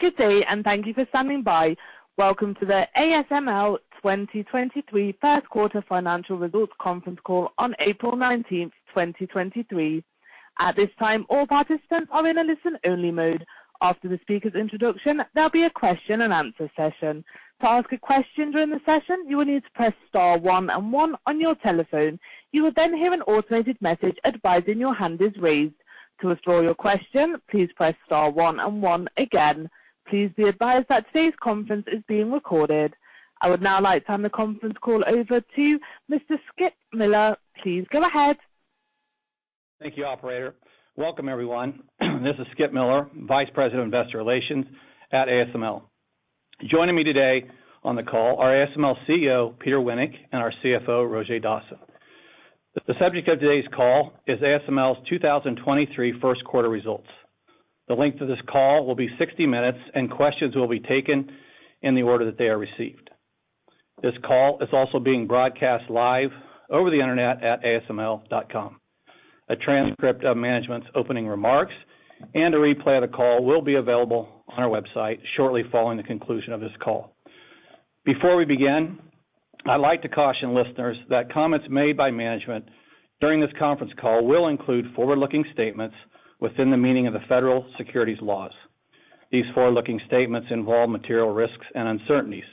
Good day, thank you for standing by. Welcome to the ASML 2023 first quarter financial results conference call on April 19th, 2023. At this time, all participants are in a listen-only mode. After the speaker's introduction, there'll be a question and answer session. To ask a question during the session, you will need to press star one and one on your telephone. You will hear an automated message advising your hand is raised. To withdraw your question, please press star one and one again. Please be advised that today's conference is being recorded. I would now like to hand the conference call over to Mr. Skip Miller. Please go ahead. Thank you, operator. Welcome, everyone. This is Skip Miller, Vice President of Investor Relations at ASML. Joining me today on the call are ASML CEO, Peter Wennink, and our CFO, Roger Dassen. The subject of today's call is ASML's 2023 first quarter results. The length of this call will be 60 minutes, and questions will be taken in the order that they are received. This call is also being broadcast live over the internet at asml.com. A transcript of management's opening remarks and a replay of the call will be available on our website shortly following the conclusion of this call. Before we begin, I'd like to caution listeners that comments made by management during this conference call will include forward-looking statements within the meaning of the federal securities laws. These forward-looking statements involve material risks and uncertainties.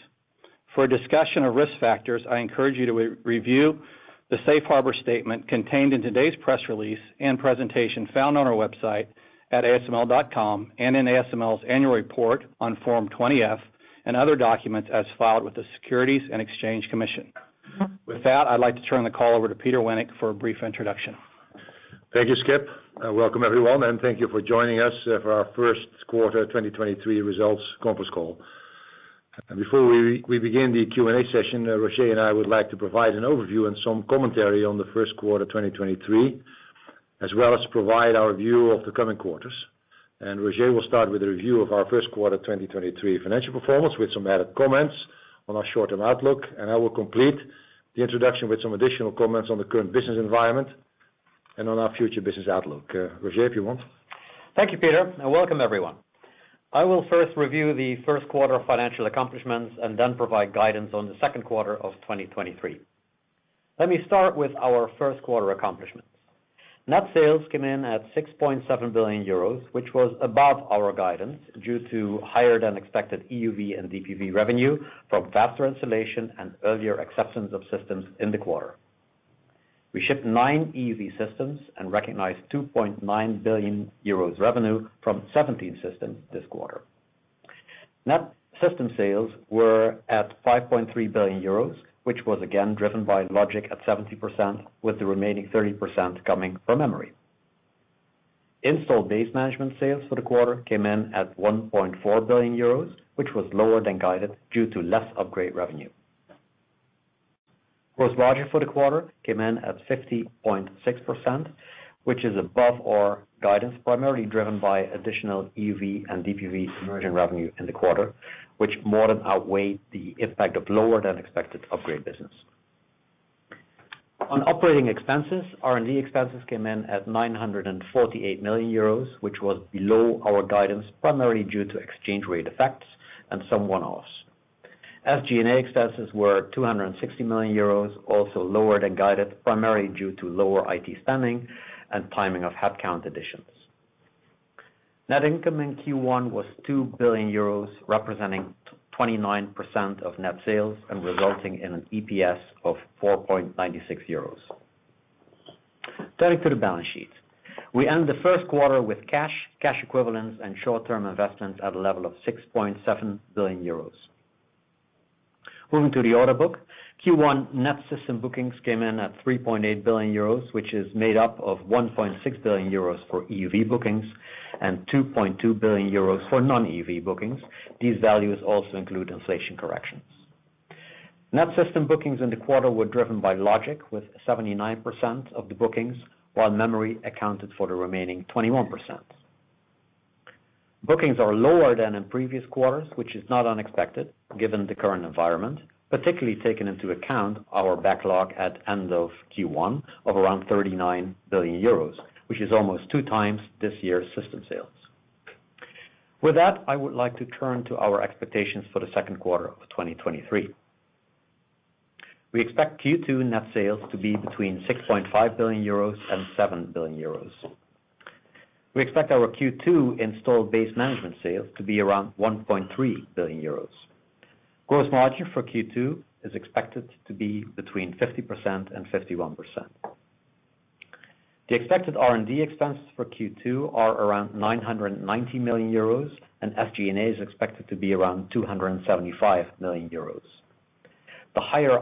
For a discussion of risk factors, I encourage you to re-review the safe harbor statement contained in today's press release and presentation found on our website at asml.com and in ASML's annual report on Form 20-F and other documents as filed with the Securities and Exchange Commission. With that, I'd like to turn the call over to Peter Wennink for a brief introduction. Thank you, Skip. Welcome everyone, and thank you for joining us for our first quarter 2023 results conference call. Before we begin the Q&A session, Roger and I would like to provide an overview and some commentary on the first quarter 2023, as well as provide our view of the coming quarters. Roger will start with a review of our first quarter 2023 financial performance with some added comments on our short-term outlook, and I will complete the introduction with some additional comments on the current business environment and on our future business outlook. Roger, if you want. Thank you, Peter. Welcome everyone. I will first review the first quarter financial accomplishments, then provide guidance on the second quarter of 2023. Let me start with our first quarter accomplishments. Net sales came in at 6.7 billion euros, which was above our guidance due to higher than expected EUV and DPV revenue from faster installation and earlier acceptance of systems in the quarter. We shipped nine EUV systems and recognized 2.9 billion euros revenue from 17 systems this quarter. Net system sales were at 5.3 billion euros, which was again driven by logic at 70%, with the remaining 30% coming from memory. Installed base management sales for the quarter came in at 1.4 billion euros, which was lower than guided due to less upgrade revenue. Gross margin for the quarter came in at 50.6%, which is above our guidance, primarily driven by additional EUV and DUV immersion revenue in the quarter, which more than outweighed the impact of lower than expected upgrade business. On operating expenses, R&D expenses came in at 948 million euros, which was below our guidance, primarily due to exchange rate effects and some one-offs. SG&A expenses were 260 million euros, also lower than guided, primarily due to lower IT spending and timing of headcount additions. Net income in Q1 was 2 billion euros, representing 29% of net sales and resulting in an EPS of 4.96 euros. Turning to the balance sheet. We end the first quarter with cash equivalents and short-term investments at a level of 6.7 billion euros. Moving to the order book. Q1 net system bookings came in at 3.8 billion euros, which is made up of 1.6 billion euros for EUV bookings and 2.2 billion euros for non-EUV bookings. These values also include inflation corrections. Net system bookings in the quarter were driven by logic with 79% of the bookings, while memory accounted for the remaining 21%. Bookings are lower than in previous quarters, which is not unexpected given the current environment, particularly taken into account our backlog at end of Q1 of around 39 billion euros, which is almost two times this year's system sales. I would like to turn to our expectations for the second quarter of 2023. We expect Q2 net sales to be between 6.5 billion euros and 7 billion euros. We expect our Q2 installed base management sales to be around 1.3 billion euros. Gross margin for Q2 is expected to be between 50% and 51%. The expected R&D expenses for Q2 are around 990 million euros. SG&A is expected to be around 275 million euros. The higher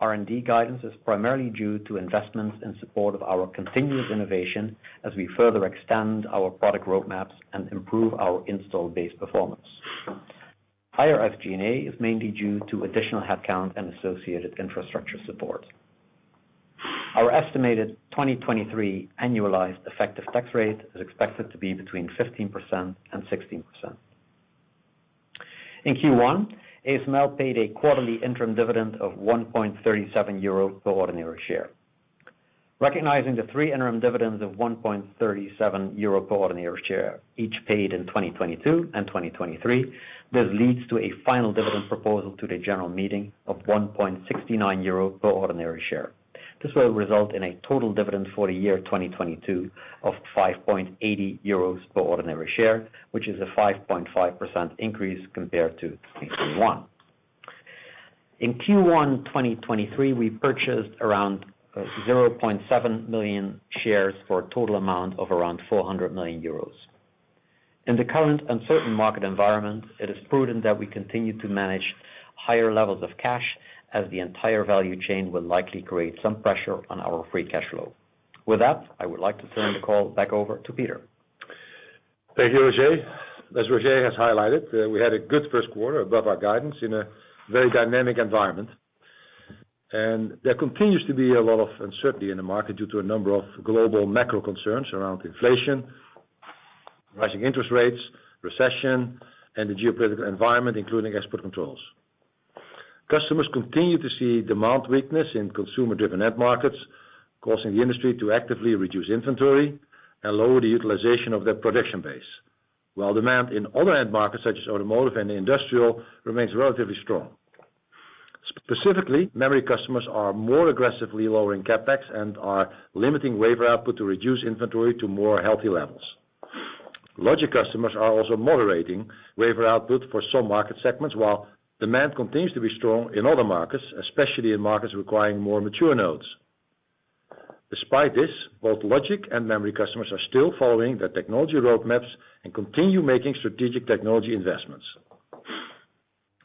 R&D guidance is primarily due to investments in support of our continuous innovation as we further extend our product roadmaps and improve our install base performance. Higher SG&A is mainly due to additional headcount and associated infrastructure support. Our estimated 2023 annualized effective tax rate is expected to be between 15% and 16%. In Q1, ASML paid a quarterly interim dividend of 1.37 euro per ordinary share. Recognizing the three interim dividends of 1.37 euro per ordinary share, each paid in 2022 and 2023, this leads to a final dividend proposal to the general meeting of 1.69 euro per ordinary share. This will result in a total dividend for the year 2022 of 5.80 euros per ordinary share, which is a 5.5% increase compared to 2021. In Q1, 2023, we purchased around 0.7 million shares for a total amount of around 400 million euros. In the current uncertain market environment, it is prudent that we continue to manage higher levels of cash as the entire value chain will likely create some pressure on our free cash flow. With that, I would like to turn the call back over to Peter. Thank you, Roger. As Roger has highlighted, we had a good first quarter above our guidance in a very dynamic environment. There continues to be a lot of uncertainty in the market due to a number of global macro concerns around inflation, rising interest rates, recession, and the geopolitical environment, including export controls. Customers continue to see demand weakness in consumer-driven end markets, causing the industry to actively reduce inventory and lower the utilization of their production base. While demand in other end markets such as automotive and industrial remains relatively strong. Specifically, memory customers are more aggressively lowering CapEx and are limiting wafer output to reduce inventory to more healthy levels. Logic customers are also moderating wafer output for some market segments, while demand continues to be strong in other markets, especially in markets requiring more mature nodes. Despite this, both logic and memory customers are still following their technology roadmaps and continue making strategic technology investments.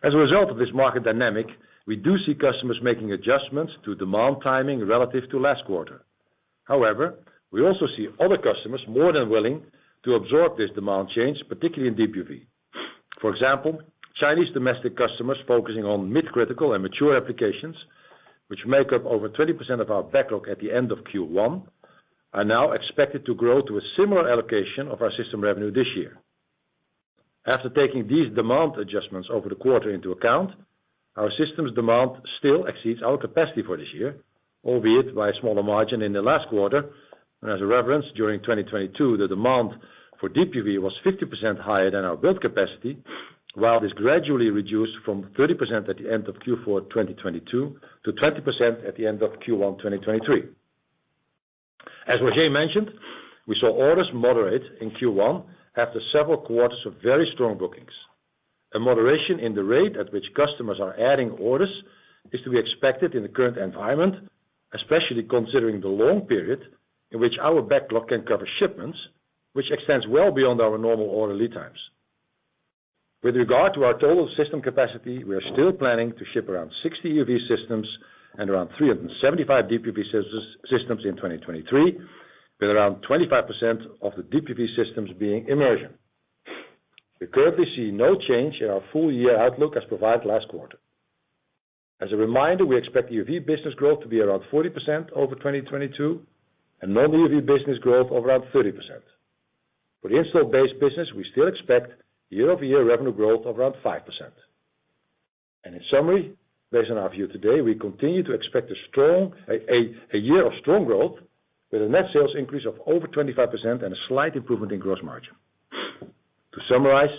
As a result of this market dynamic, we do see customers making adjustments to demand timing relative to last quarter. We also see other customers more than willing to absorb this demand change, particularly in DPV. For example, Chinese domestic customers focusing on mid critical and mature applications, which make up over 20% of our backlog at the end of Q1, are now expected to grow to a similar allocation of our system revenue this year. After taking these demand adjustments over the quarter into account, our systems demand still exceeds our capacity for this year, albeit by a smaller margin in the last quarter. As a reference, during 2022, the demand for DPV was 50% higher than our build capacity, while this gradually reduced from 30% at the end of Q4 2022 to 20% at the end of Q1 2023. As Roger mentioned, we saw orders moderate in Q1 after several quarters of very strong bookings. A moderation in the rate at which customers are adding orders is to be expected in the current environment, especially considering the long period in which our backlog can cover shipments, which extends well beyond our normal order lead times. With regard to our total system capacity, we are still planning to ship around 60 EUV systems and around 375 DPV systems in 2023, with around 25% of the DPV systems being immersion. We currently see no change in our full year outlook as provided last quarter. As a reminder, we expect EUV business growth to be around 40% over 2022, and non-EUV business growth of around 30%. For the install base business, we still expect year-over-year revenue growth of around 5%. In summary, based on our view today, we continue to expect a year of strong growth with a net sales increase of over 25% and a slight improvement in gross margin. To summarize,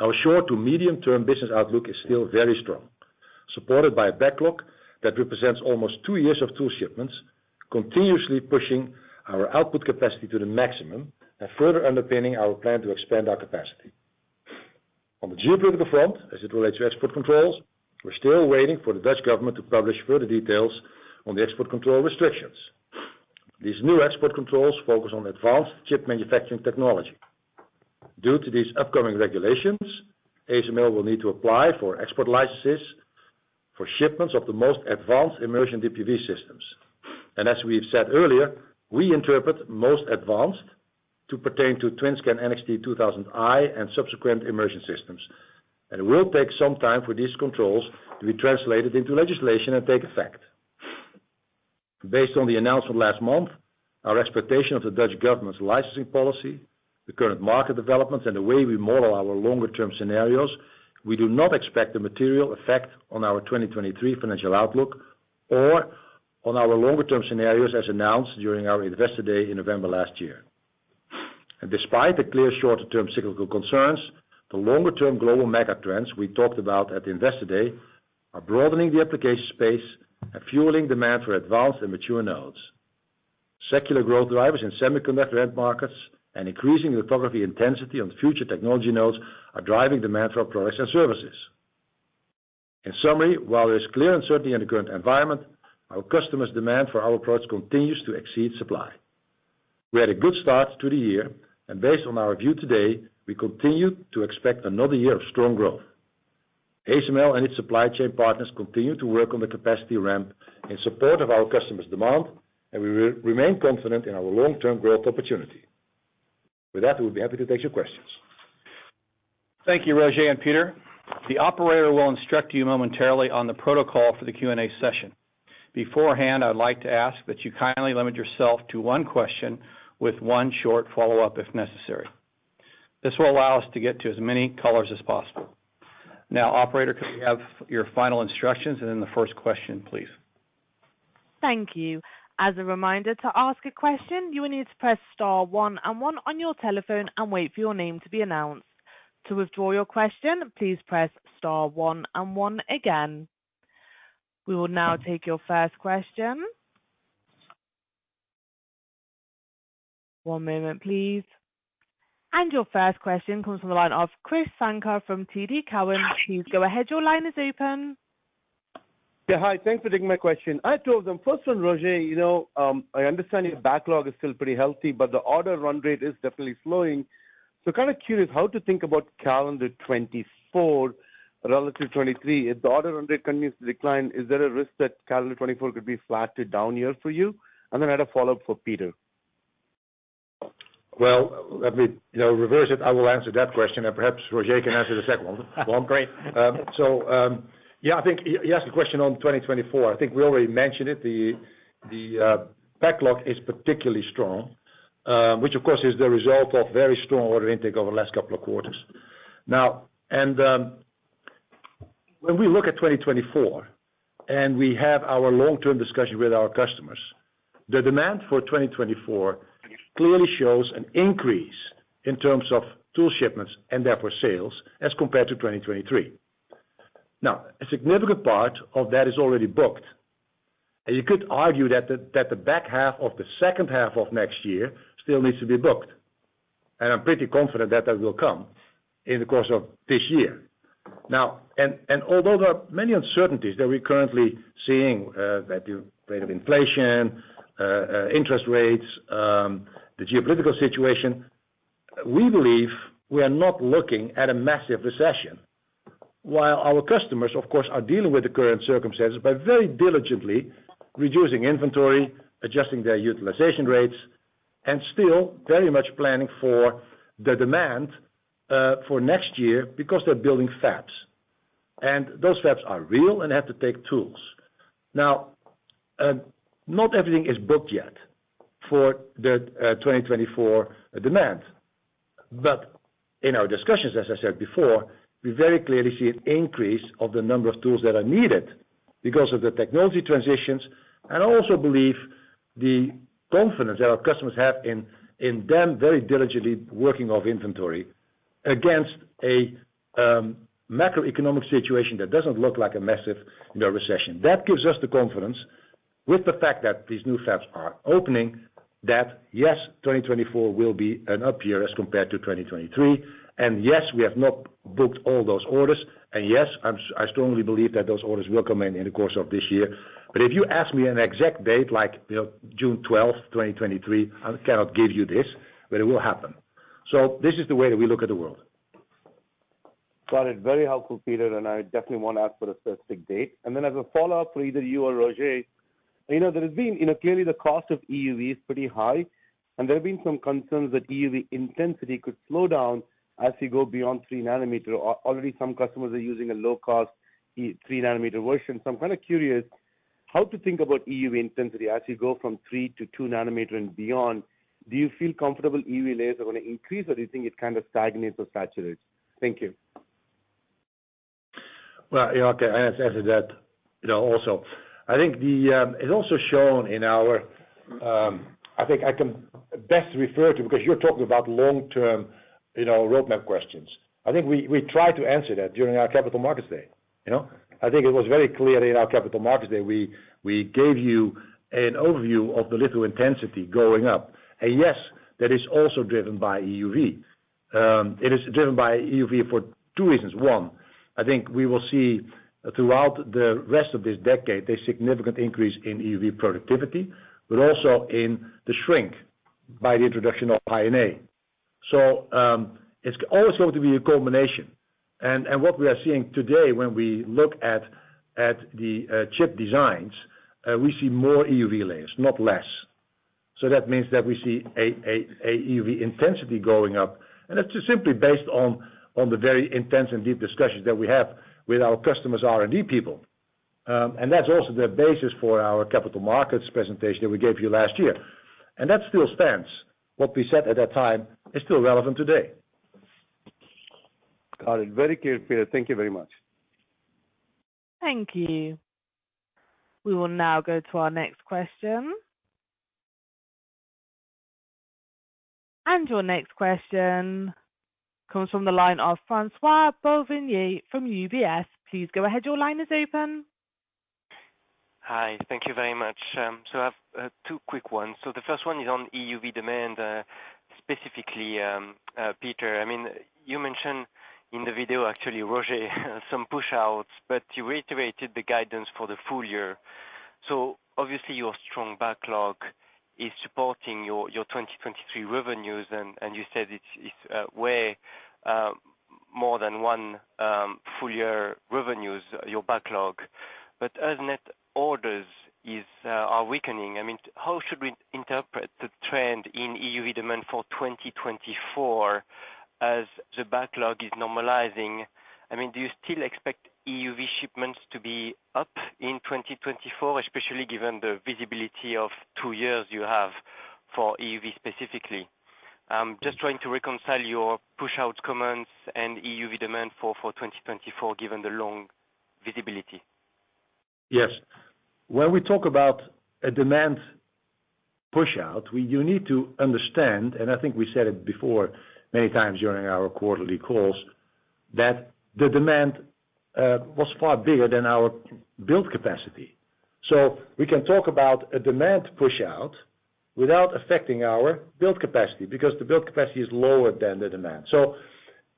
our short to medium-term business outlook is still very strong, supported by a backlog that represents almost two years of tool shipments, continuously pushing our output capacity to the maximum and further underpinning our plan to expand our capacity. On the geopolitical front, as it relates to export controls, we're still waiting for the Dutch government to publish further details on the export control restrictions. These new export controls focus on advanced chip manufacturing technology. Due to these upcoming regulations, ASML will need to apply for export licenses for shipments of the most advanced immersion DPV systems. As we've said earlier, we interpret most advanced to pertain to TWINSCAN NXT:2000i and subsequent immersion systems. It will take some time for these controls to be translated into legislation and take effect. Based on the announcement last month, our expectation of the Dutch government's licensing policy, the current market developments, and the way we model our longer term scenarios, we do not expect a material effect on our 2023 financial outlook or on our longer term scenarios as announced during our Investor Day in November last year. Despite the clear shorter-term cyclical concerns, the longer-term global mega trends we talked about at the Investor Day are broadening the application space and fueling demand for advanced and mature nodes. Secular growth drivers in semiconductor end markets and increasing lithography intensity on future technology nodes are driving demand for our products and services. In summary, while there is clear uncertainty in the current environment, our customers' demand for our products continues to exceed supply. We had a good start to the year, and based on our view today, we continue to expect another year of strong growth. ASML and its supply chain partners continue to work on the capacity ramp in support of our customers' demand, and we remain confident in our long-term growth opportunity. With that, we'll be happy to take your questions. Thank you, Roger and Peter. The operator will instruct you momentarily on the protocol for the Q&A session. Beforehand, I'd like to ask that you kindly limit yourself to one question with one short follow-up, if necessary. This will allow us to get to as many callers as possible. Operator, could we have your final instructions and then the first question, please? Thank you. As a reminder, to ask a question, you will need to press star one and one on your telephone and wait for your name to be announced. To withdraw your question, please press star one and one again. We will now take your first question. One moment, please. Your first question comes from the line of Krish Sankar from TD Cowen. Please go ahead. Your line is open. Yeah, hi. Thanks for taking my question. I have two of them. First one, Roger, you know, I understand your backlog is still pretty healthy, but the order run rate is definitely slowing. Kind of curious how to think about calendar 2024 relative to 2023. If the order run rate continues to decline, is there a risk that calendar 2024 could be flat to down year for you? I had a follow-up for Peter. Well, let me, you know, reverse it. I will answer that question, and perhaps Roger can answer the second one. Great. Yeah, I think you asked the question on 2024. I think we already mentioned it. The backlog is particularly strong, which of course is the result of very strong order intake over the last couple of quarters. When we look at 2024, and we have our long-term discussion with our customers, the demand for 2024 clearly shows an increase in terms of tool shipments, and therefore sales, as compared to 2023. A significant part of that is already booked, and you could argue that the back half of the second half of next year still needs to be booked, and I'm pretty confident that that will come in the course of this year. Although there are many uncertainties that we're currently seeing, that the rate of inflation, interest rates, the geopolitical situation, we believe we are not looking at a massive recession. While our customers, of course, are dealing with the current circumstances by very diligently reducing inventory, adjusting their utilization rates, and still very much planning for the demand for next year because they're building fabs. Those fabs are real and have to take tools. Not everything is booked yet for the 2024 demand. In our discussions, as I said before, we very clearly see an increase of the number of tools that are needed because of the technology transitions. I also believe the confidence that our customers have in them very diligently working off inventory against a macroeconomic situation that doesn't look like a massive, you know, recession. That gives us the confidence with the fact that these new fabs are opening, that yes, 2024 will be an up year as compared to 2023. Yes, we have not booked all those orders. Yes, I strongly believe that those orders will come in in the course of this year. If you ask me an exact date like, you know, June 12, 2023, I cannot give you this, but it will happen. This is the way that we look at the world. Got it. Very helpful, Peter. I definitely won't ask for a specific date. As a follow-up for either you or Roger, you know, clearly the cost of EUV is pretty high, and there have been some concerns that EUV intensity could slow down as you go beyon d 3nm. Already some customers are using a low-cost 3 nm version. I'm kind of curious how to think about EUV intensity as you go from 3 nm to 2 nm and beyond. Do you feel comfortable EUV layers are gonna increase, or do you think it kind of stagnates or saturates? Thank you. Well, yeah, okay, I'll answer that, you know, also. I think I can best refer to because you're talking about long-term, you know, roadmap questions. I think we tried to answer that during our Investor Day, you know? I think it was very clear in our Investor Day, we gave you an overview of the little intensity going up. Yes, that is also driven by EUV. It is driven by EUV for two reasons. One, I think we will see throughout the rest of this decade a significant increase in EUV productivity, but also in the shrink by the introduction of High-NA. It's also to be a combination. What we are seeing today when we look at the chip designs, we see more EUV layers, not less. That means that we see a EUV intensity going up, and that's just simply based on the very intense and deep discussions that we have with our customers' R&D people. That's also the basis for our capital markets presentation that we gave you last year. That still stands. What we said at that time is still relevant today. Got it. Very clear, Peter. Thank you very much. Thank you. We will now go to our next question. Your next question comes from the line of François Bouvignies from UBS. Please go ahead. Your line is open. Hi. Thank you very much. I have two quick ones. The first one is on EUV demand, specifically, Peter. I mean, you mentioned in the video actually, Roger, some push-outs, but you reiterated the guidance for the full year. Obviously your strong backlog is supporting your 2023 revenues, and you said it's way, more than one full year revenues, your backlog. As net orders is weakening, I mean, how should we interpret the trend in EUV demand for 2024? As the backlog is normalizing, I mean, do you still expect EUV shipments to be up in 2024, especially given the visibility of two years you have for EUV specifically? Just trying to reconcile your push-out comments and EUV demand for 2024, given the long visibility. Yes. When we talk about a demand push out, you need to understand, and I think we said it before many times during our quarterly calls, that the demand was far bigger than our build capacity. We can talk about a demand push out without affecting our build capacity, because the build capacity is lower than the demand.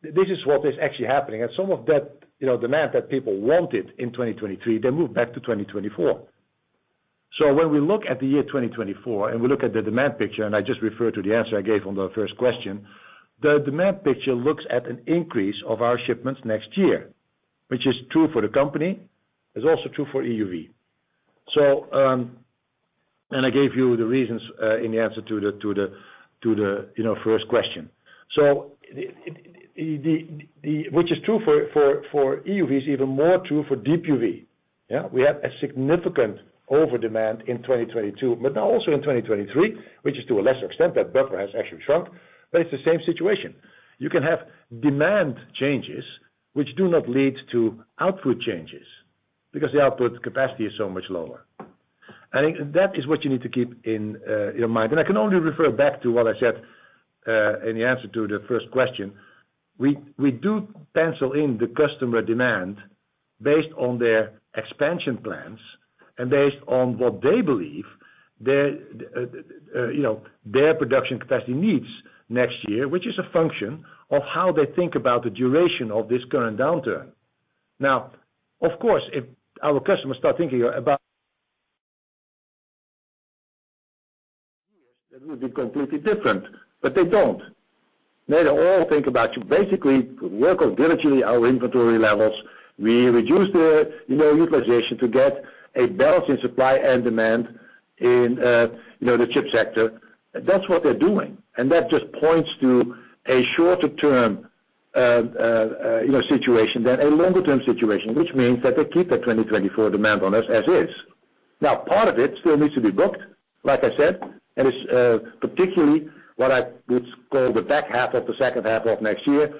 This is what is actually happening. Some of that, you know, demand that people wanted in 2023, they moved back to 2024. When we look at the year 2024 and we look at the demand picture, and I just refer to the answer I gave on the first question, the demand picture looks at an increase of our shipments next year, which is true for the company, it's also true for EUV. I gave you the reasons, in the answer to the, you know, first question. Which is true for EUV, is even more true for DUV. Yeah. We had a significant overdemand in 2022, but now also in 2023, which is to a lesser extent. That buffer has actually shrunk, but it's the same situation. You can have demand changes which do not lead to output changes because the output capacity is so much lower. I think that is what you need to keep in your mind. I can only refer back to what I said in the answer to the first question. We do pencil in the customer demand based on their expansion plans and based on what they believe their, you know, their production capacity needs next year, which is a function of how they think about the duration of this current downturn. Of course, if our customers start thinking about. That would be completely different, but they don't. They all think about, basically, work on diligently our inventory levels. We reduce the, you know, utilization to get a balance in supply and demand in, you know, the chip sector. That's what they're doing. That just points to a shorter-term, you know, situation than a longer-term situation, which means that they keep the 2024 demand on us as is. Part of it still needs to be booked, like I said, and it's particularly what I would call the back half of the second half of next year.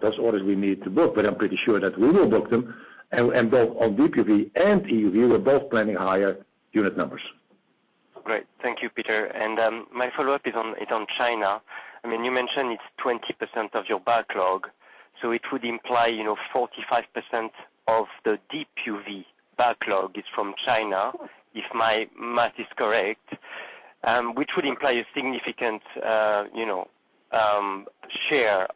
Those orders we need to book, but I'm pretty sure that we will book them. Both on DPV and EUV, we're both planning higher unit numbers. Great. Thank you, Pieter. My follow-up is on China. I mean, you mentioned it's 20% of your backlog, so it would imply, you know, 45% of the DUV backlog is from China, if my math is correct, which would imply a significant, you know, share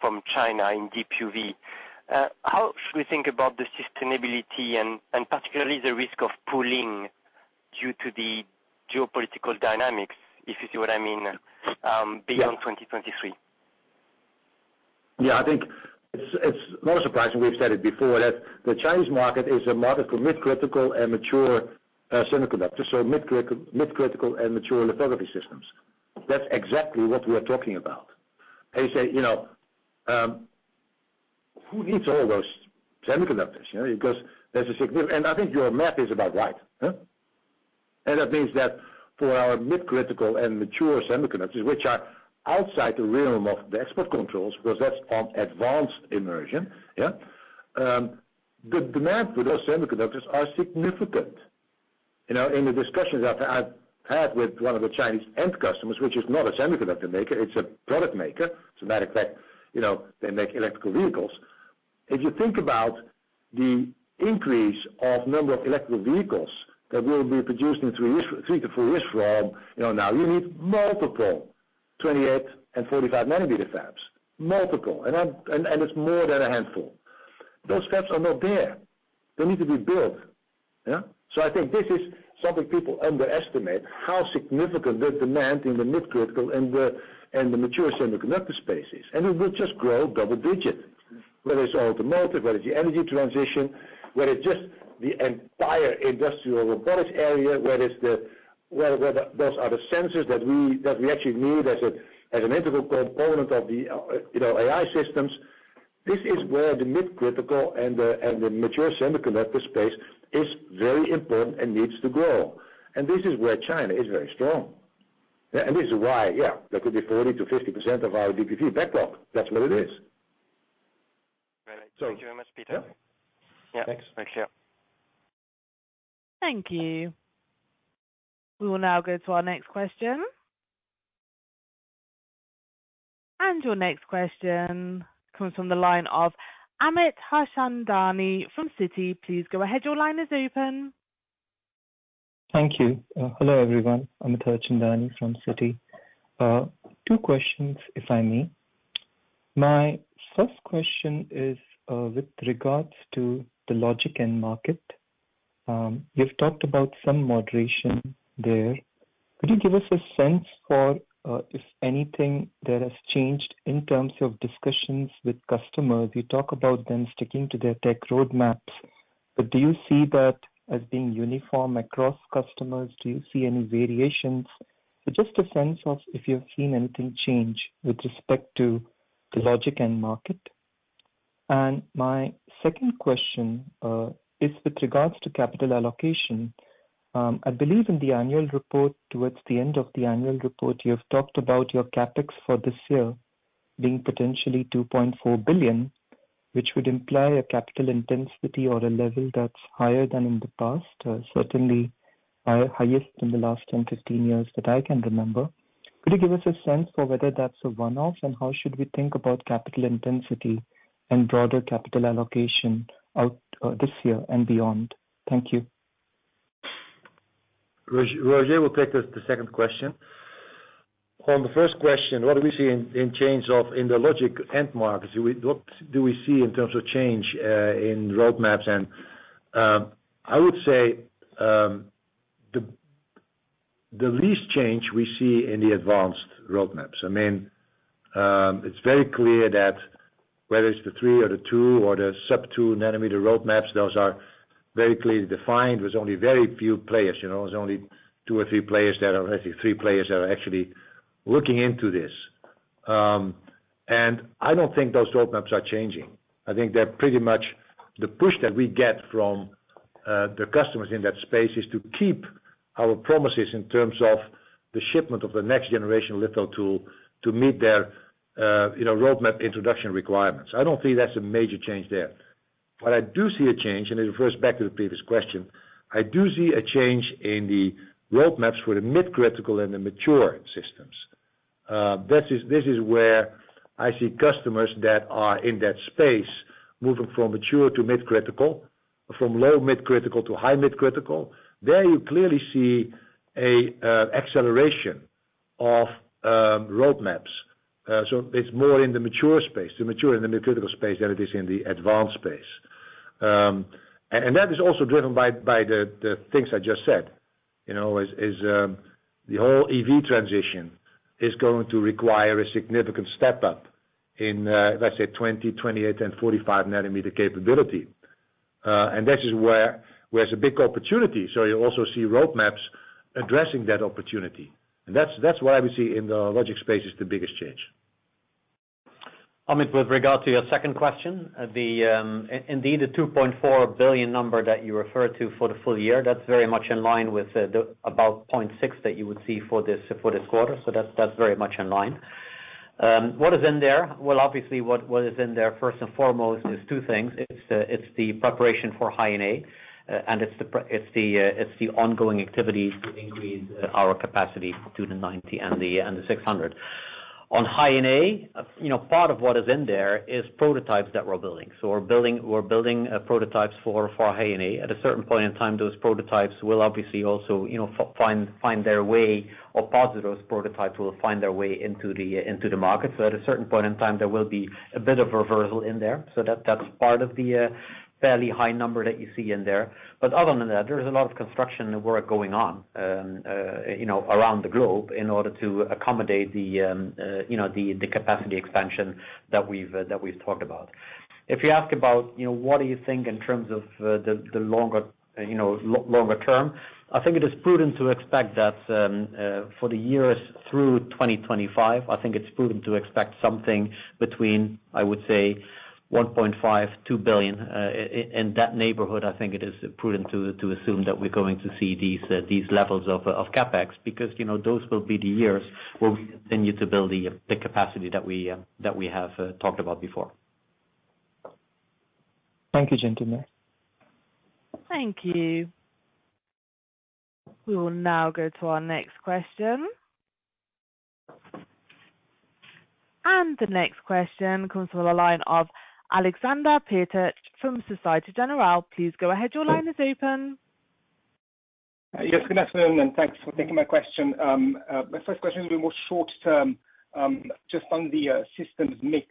from China in DUV. How should we think about the sustainability and particularly the risk of pulling due to the geopolitical dynamics, if you see what I mean? Yeah. Beyond 2023? Yeah. I think it's no surprise, and we've said it before, that the Chinese market is a market for mid-critical and mature semiconductors. Mid-critical and mature lithography systems. That's exactly what we are talking about. I say, you know, who needs all those semiconductors? You know, because there's a. I think your math is about right. Huh? That means that for our mid-critical and mature semiconductors, which are outside the realm of the export controls, because that's on advanced immersion, yeah? The demand for those semiconductors are significant. You know, in the discussions I've had with one of the Chinese end customers, which is not a semiconductor maker, it's a product maker, as a matter of fact, you know, they make electrical vehicles. If you think about the increase of number of electrical vehicles that will be produced in three years, three to five years from, you know, now, you need multiple 28 nm and 45 nm fabs. Multiple. It's more than a handful. Those fabs are not there. They need to be built. Yeah? I think this is something people underestimate, how significant the demand in the mid-critical and the mature semiconductor space is. It will just grow double digit, whether it's automotive, whether it's the energy transition, whether it's just the entire industrial robotics area, whether those are the sensors that we, that we actually need as a, as an integral component of the, you know, AI systems. This is where the mid-critical and the mature semiconductor space is very important and needs to grow. This is where China is very strong. Yeah. This is why, yeah, that could be 40%-50% of our DPV backlog. That's what it is. Great. Thank you very much, Pieter. Yeah. Yeah. Thanks. Thanks. Yeah. Thank you. We will now go to our next question. Your next question comes from the line of Amit Harchandani from Citi. Please go ahead. Your line is open. Thank you. Hello, everyone. Amit Harchandani from Citi. Two questions, if I may. My first question is with regards to the logic end market. You've talked about some moderation there. Could you give us a sense for if anything there has changed in terms of discussions with customers? You talk about them sticking to their tech roadmaps. Do you see that as being uniform across customers? Do you see any variations? Just a sense of if you've seen anything change with respect to the logic end market. My second question is with regards to capital allocation. I believe in the annual report, towards the end of the annual report, you have talked about your CapEx for this year being potentially 2.4 billion, which would imply a capital intensity or a level that's higher than in the past, or certainly highest in the last 10, 15 years that I can remember. Could you give us a sense for whether that's a one-off, and how should we think about capital intensity and broader capital allocation out this year and beyond? Thank you. Roger will take the second question. On the first question, what do we see in change of in the Logic end markets? What do we see in terms of change in roadmaps? I would say, the least change we see in the advanced roadmaps. I mean, it's very clear that whether it's the 3 nm or the 2 nm or the sub 2 nm roadmaps, those are very clearly defined. There's only very few players, you know. There's only two or three players that are actually three players that are actually looking into this. I don't think those roadmaps are changing. I think they're pretty much the push that we get from the customers in that space is to keep our promises in terms of the shipment of the next generation litho tool to meet their, you know, roadmap introduction requirements. I don't see that's a major change there. What I do see a change, and it refers back to the previous question, I do see a change in the roadmaps for the mid critical and the mature systems. This is where I see customers that are in that space moving from mature to mid critical, from low mid critical to high mid critical. There you clearly see an acceleration of roadmaps. It's more in the mature space, the mature and the mid critical space than it is in the advanced space. That is also driven by the things I just said. You know, is the whole EV transition is going to require a significant step-up in, let's say 20 nm, 28 nm and 45 nm capability. This is where is a big opportunity. You also see roadmaps addressing that opportunity. That's why we see in the logic space is the biggest change. Amit, with regard to your second question, indeed, the 2.4 billion number that you refer to for the full year, that's very much in line with the 0.6 that you would see for this quarter. That's very much in line. What is in there? Well, obviously what is in there first and foremost is two things. It's the preparation for High NA, and it's the ongoing activity to increase our capacity to the 90 and the 600. On High NA, you know, part of what is in there is prototypes that we're building. We're building prototypes for High NA. At a certain point in time, those prototypes will obviously also, you know, find their way or part of those prototypes will find their way into the market. At a certain point in time, there will be a bit of reversal in there. That's part of the fairly high number that you see in there. Other than that, there is a lot of construction work going on, you know, around the globe in order to accommodate the, you know, capacity expansion that we've talked about. If you ask about, you know, what do you think in terms of, the, longer, you know, longer term, I think it is prudent to expect that, for the years through 2025, I think it's prudent to expect something between, I would say, 1.5 billion-2 billion. In that neighborhood, I think it is prudent to assume that we're going to see these levels of CapEx, because, you know, those will be the years where we continue to build the capacity that we, that we have, talked about before. Thank you, gentlemen. Thank you. We will now go to our next question. The next question comes from the line of Alexander Peterc from Societe Generale. Please go ahead. Your line is open. Yes, good afternoon, and thanks for taking my question. My first question will be more short-term, just on the systems mix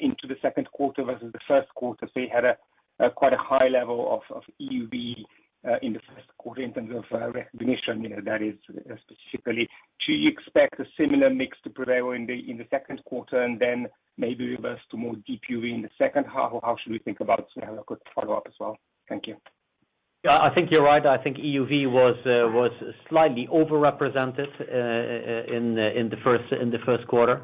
into the second quarter versus the first quarter. You had a quite a high level of EUV in the first quarter in terms of recognition, you know, that is specifically. Do you expect a similar mix to prevail in the second quarter and then maybe reverse to more DPU in the second half? How should we think about it? I have a quick follow-up as well. Thank you. Yeah, I think you're right. I think EUV was slightly over-represented in the first quarter.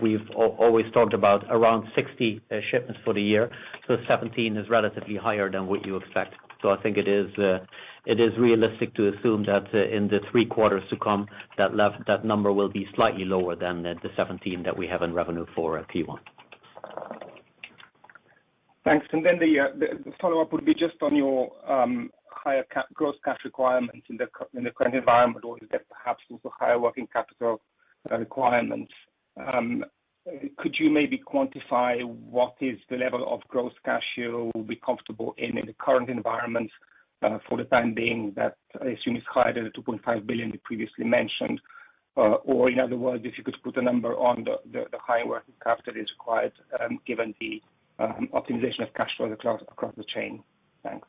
We've always talked about around 60 shipments for the year, so 17 is relatively higher than what you expect. I think it is realistic to assume that in the three quarters to come, that number will be slightly lower than the 17 that we have in revenue for Q1. Thanks. The follow-up would be just on your higher gross cash requirements in the current environment or is there perhaps also higher working capital requirements. Could you maybe quantify what is the level of gross cash you will be comfortable in the current environment for the time being? That I assume is higher than the 2.5 billion you previously mentioned. Or in other words, if you could put a number on the higher working capital is required, given the optimization of cash flow across the chain. Thanks.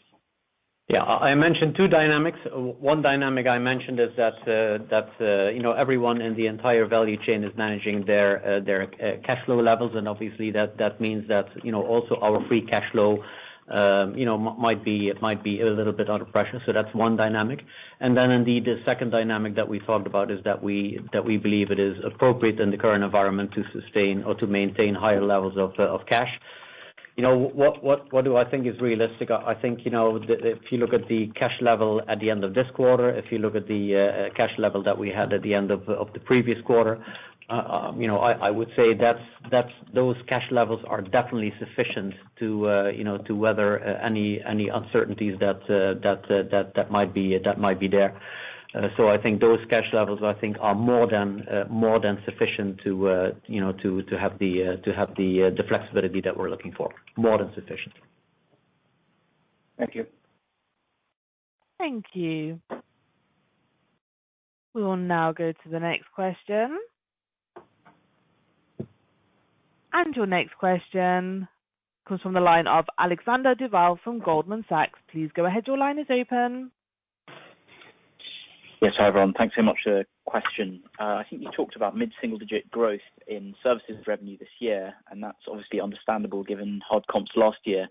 Yeah, I mentioned two dynamics. One dynamic I mentioned is that, you know, everyone in the entire value chain is managing their cash flow levels, and obviously that means that, you know, also our free cash flow, you know, it might be a little bit under pressure. That's one dynamic. Indeed, the second dynamic that we talked about is that we believe it is appropriate in the current environment to sustain or to maintain higher levels of cash. You know, what do I think is realistic? I think, you know, the... You look at the cash level at the end of this quarter, you look at the cash level that we had at the end of the previous quarter, you know, I would say that's those cash levels are definitely sufficient to, you know, to weather any uncertainties that might be there. So I think those cash levels, I think, are more than more than sufficient to, you know, to have the flexibility that we're looking for, more than sufficient. Thank you. Thank you. We will now go to the next question. Your next question comes from the line of Alexander Duval from Goldman Sachs. Please go ahead. Your line is open. Yes. Hi, everyone. Thanks so much for the question. I think you talked about mid-single-digit growth in services revenue this year, and that's obviously understandable given hard comps last year.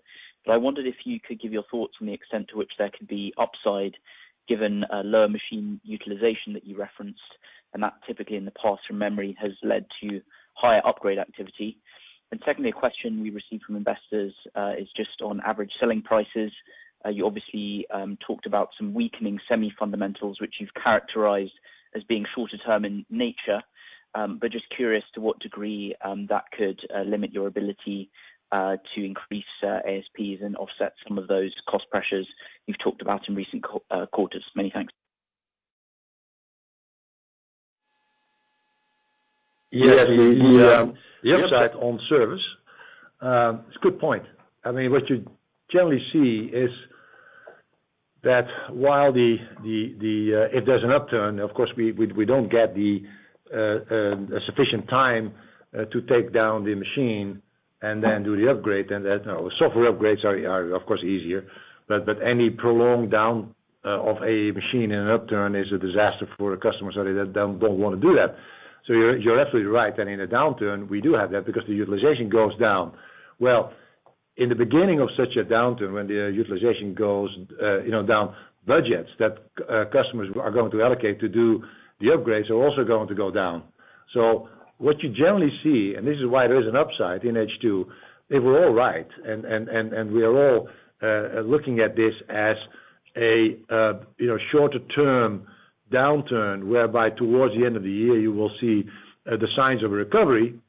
I wondered if you could give your thoughts on the extent to which there could be upside given lower machine utilization that you referenced, and that typically in the past, from memory, has led to higher upgrade activity. Secondly, a question we received from investors is just on average selling prices. You obviously talked about some weakening semi fundamentals, which you've characterized as being short term in nature. Just curious to what degree that could limit your ability to increase ASPs and offset some of those cost pressures you've talked about in recent quarters. Many thanks. Yes. The upside on service, it's a good point. I mean, what you generally see is that while if there's an upturn, of course, we don't get the sufficient time to take down the machine and then do the upgrade, and then, you know, software upgrades are of course easier. Any prolonged down of a machine in an upturn is a disaster for a customer, so they don't wanna do that. You're absolutely right. In a downturn we do have that because the utilization goes down. Well, in the beginning of such a downturn, when the utilization goes, you know, down, budgets that customers are going to allocate to do the upgrades are also going to go down. What you generally see, and this is why there's an upside in H2, if we're all right and we are all looking at this as a, you know, shorter term downturn, whereby towards the end of the year you will see the signs of recovery.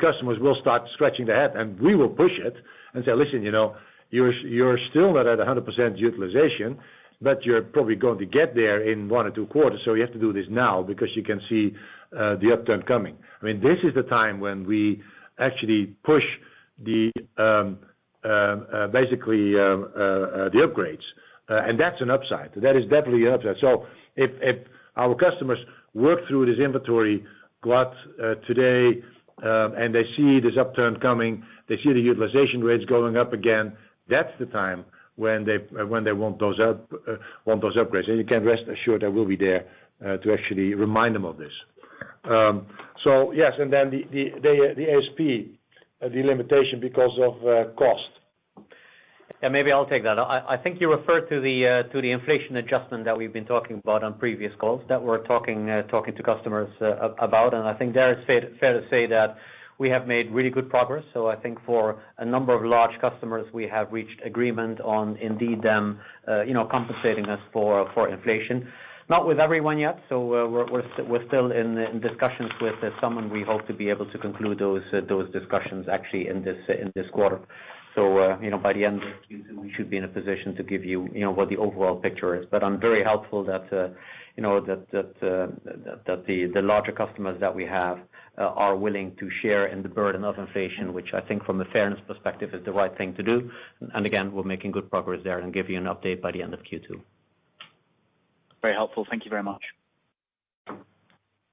Customers will start scratching their head, and we will push it and say, "Listen, you know, you're still not at 100% utilization, but you're probably going to get there in one or two quarters. So you have to do this now because you can see the upturn coming." I mean, this is the time when we actually push the basically the upgrades. That's an upside. That is definitely an upside. If our customers work through this inventory glut today, and they see this upturn coming, they see the utilization rates going up again, that's the time when they want those upgrades. You can rest assured that we'll be there to actually remind them of this. Yes. Then the ASP, the limitation because of cost. Yeah, maybe I'll take that. I think you referred to the to the inflation adjustment that we've been talking about on previous calls, that we're talking to customers about. I think there it's fair to say that we have made really good progress. I think for a number of large customers, we have reached agreement on indeed them, you know, compensating us for inflation. Not with everyone yet, so we're still in discussions with someone. We hope to be able to conclude those discussions actually in this quarter. You know, by the end of Q2, we should be in a position to give you know, what the overall picture is. I'm very helpful that, you know, that the larger customers that we have are willing to share in the burden of inflation, which I think from a fairness perspective is the right thing to do. Again, we're making good progress there and give you an update by the end of Q2. Very helpful. Thank you very much.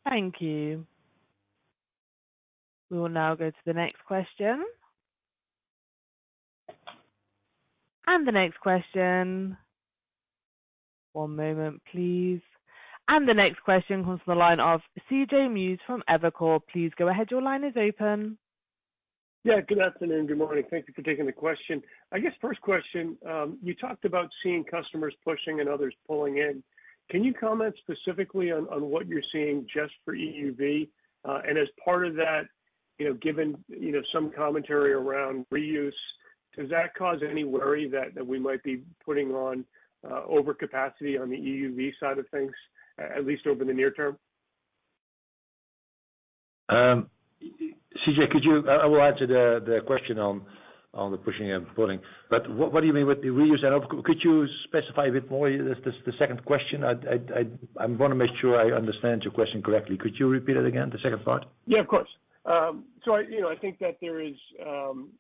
Thank you. We will now go to the next question. The next question. One moment, please. The next question comes from the line of C.J. Muse from Evercore. Please go ahead. Your line is open. Yeah. Good afternoon. Good morning. Thank you for taking the question. I guess first question, you talked about seeing customers pushing and others pulling in. Can you comment specifically on what you're seeing just for EUV? As part of that, you know, given, you know, some commentary around reuse, does that cause any worry that we might be putting on overcapacity on the EUV side of things, at least over the near term? CJ, could you... I will answer the question on the pushing and pulling. What do you mean with the reuse? Could you specify a bit more the second question? I wanna make sure I understand your question correctly. Could you repeat it again, the second part? Yeah, of course. I, you know, I think that there is commentary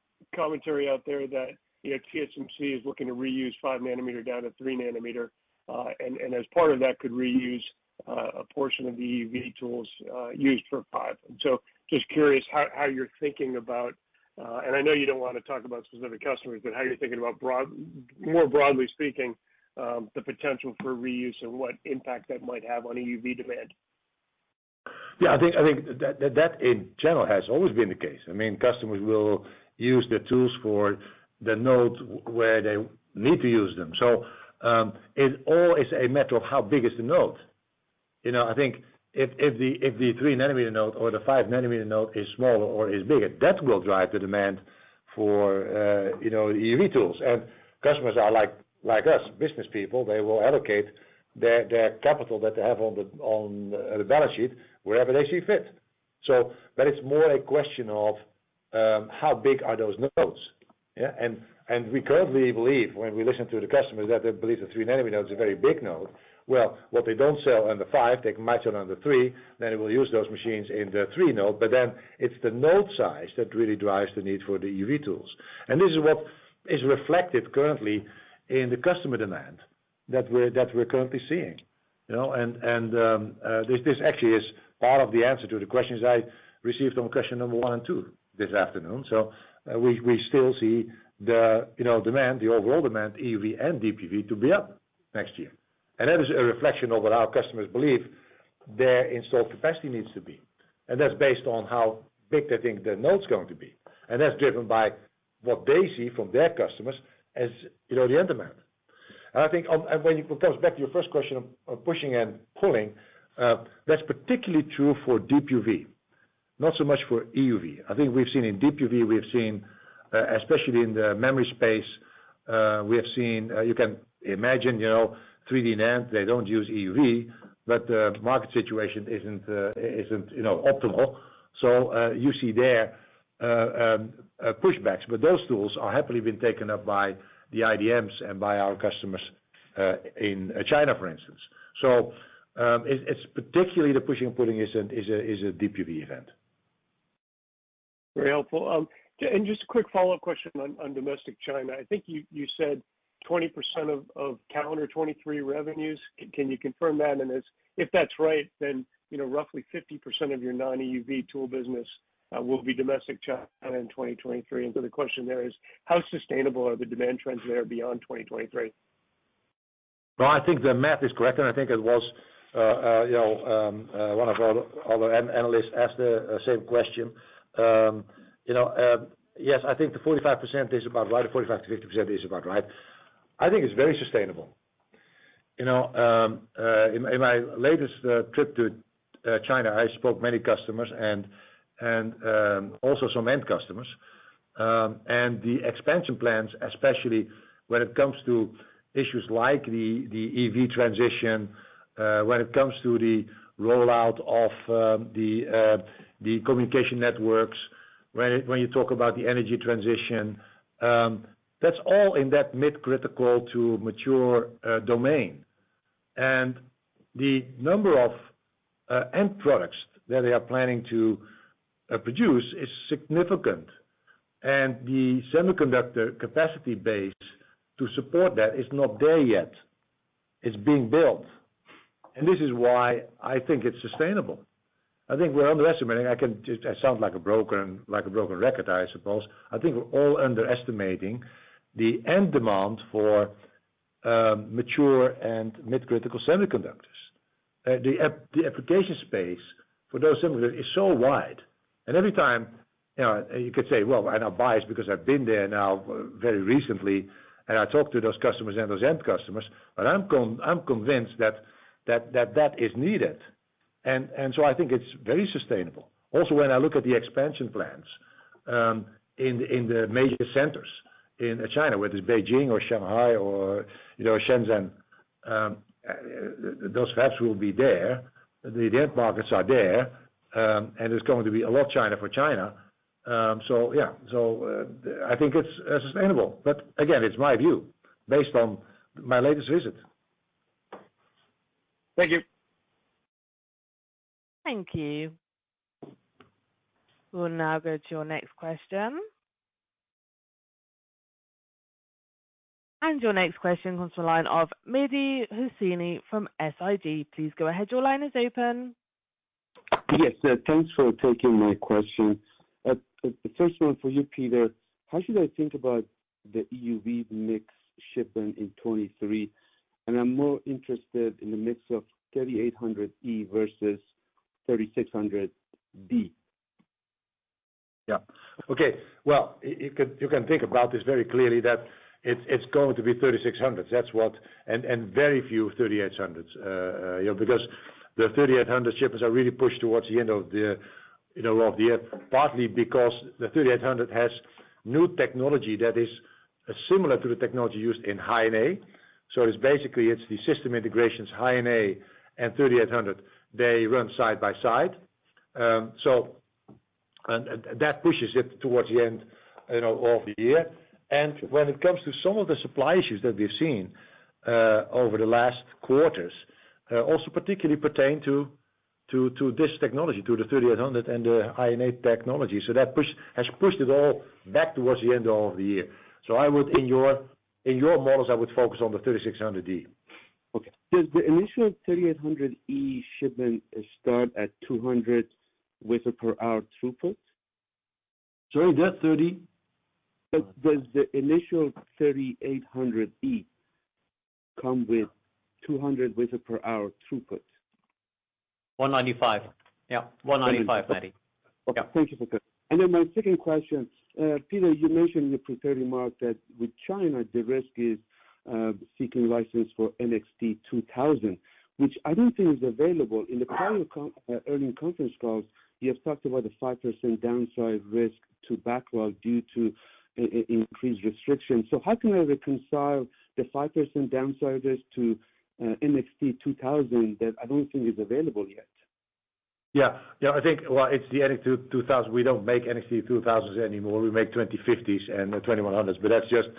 out there that, you know, TSMC is looking to reuse 5 nm down to 3 nm, and as part of that could reuse a portion of the EUV tools used for 5 nm. Just curious how you're thinking about, and I know you don't want to talk about specific customers, but how you're thinking about more broadly speaking, the potential for reuse and what impact that might have on EUV demand. I think that in general has always been the case. I mean, customers will use the tools for the nodes where they need to use them. It all is a matter of how big is the node. You know, I think if the 3 nm node or the 5 nm node is smaller or is bigger, that will drive the demand for, you know, EUV tools. Customers are like us, business people. They will allocate their capital that they have on the balance sheet wherever they see fit. That is more a question of how big are those nodes? We currently believe, when we listen to the customers, that they believe the 3 nm node is a very big node. Well, what they don't sell on the five, they can match it on the three, then they will use those machines in the three node, but then it's the node size that really drives the need for the EUV tools. This is what is reflected currently in the customer demand that we're currently seeing, you know. This actually is part of the answer to the questions I received on question number one and two this afternoon. We still see the, you know, demand, the overall demand, EUV and DPV to be up next year. That is a reflection of what our customers believe their installed capacity needs to be, and that's based on how big they think their node's going to be. That's driven by what they see from their customers as, you know, the end demand. I think when it comes back to your first question of pushing and pulling, that's particularly true for DPV, not so much for EUV. I think we've seen in DPV, we have seen, especially in the memory space, we have seen, you can imagine, you know, 3D NAND, they don't use EUV, but the market situation isn't, you know, optimal. You see there pushbacks. Those tools are happily been taken up by the IDMs and by our customers in China, for instance. It's particularly the pushing and pulling is a DPV event. Very helpful. Just a quick follow-up question on domestic China. I think you said 20% of calendar 2023 revenues. Can you confirm that? If that's right, then, you know, roughly 50% of your non-EUV tool business will be domestic China in 2023. The question there is, how sustainable are the demand trends there beyond 2023? No, I think the math is correct, and I think it was, you know, one of our other analysts asked the same question. You know, yes, I think the 45% is about right, or 45%-50% is about right. I think it's very sustainable. You know, in my latest trip to China, I spoke many customers and also some end customers. The expansion plans, especially when it comes to issues like the EV transition, when it comes to the rollout of the communication networks, when you talk about the energy transition, that's all in that mid critical to mature domain. The number of end products that they are planning to produce is significant. The semiconductor capacity base to support that is not there yet. It's being built. This is why I think it's sustainable. I think we're underestimating. I sound like a broken record, I suppose. I think we're all underestimating the end demand for mature and mid critical semiconductors. The application space for those semiconductors is so wide. Every time, you know, you could say, "Well, I'm now biased because I've been there now very recently, and I talked to those customers and those end customers," but I'm convinced that is needed. So I think it's very sustainable. When I look at the expansion plans, in the major centers in China, whether it's Beijing or Shanghai or, you know, Shenzhen, those fabs will be there, the end markets are there, and there's going to be a lot China for China. I think it's sustainable. It's my view based on my latest visit. Thank you. Thank you. We'll now go to your next question. Your next question comes to the line of Mehdi Hosseini from SIG. Please go ahead. Your line is open. Yes. Thanks for taking my question. The first one for you, Peter. How should I think about the EUV mix shipment in 2023? I'm more interested in the mix of 3800E versus 3600D. Yeah. Okay. Well, you can think about this very clearly that it's going to be 3600. That's what... Very few 3800, you know, because the 3800 shipments are really pushed towards the end of the, you know, of the year, partly because the 3800 has new technology that is similar to the technology used in High NA. It's basically, it's the system integrations, High NA 3800. They run side by side. That pushes it towards the end, you know, of the year. When it comes to some of the supply issues that we've seen over the last quarters, also particularly pertain to this technology, to 3800 and the High NA technology. That push has pushed it all back towards the end of the year. I would, in your models, I would focus on the 3600E. Okay. Does the initial 3800E shipment start at 200 wph throughput? Sorry, that 30? Does the initial 3800E come with 200 wph throughput? 195. Yeah, 195, Mehdi. Okay. Thank you for that. My second question. Peter, you mentioned in the prepared remark that with China, the risk is seeking license for NXT 2000, which I don't think is available. In the prior earning conference calls, you have talked about the 5% downside risk to backlog due to increased restrictions. How can I reconcile the 5% downside risk to NXT:2000 that I don't think is available yet? Well, it's the NXT:2000. We don't m:ke NXT 2000s anymore. We make 2050s and the 2100s, but that's just